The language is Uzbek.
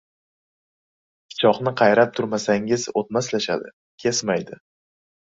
Pichoqni qayrab turmasangiz, o‘tmaslashadi, kesmaydi.